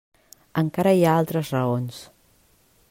Encara hi ha altres raons.